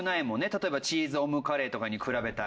例えばチ―ズオムカレ―とかに比べたら。